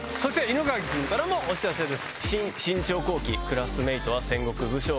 犬飼君からもお知らせです。